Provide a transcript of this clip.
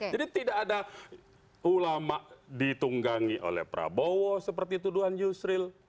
jadi tidak ada ulama ditunggangi oleh prabowo seperti tuduhan yusril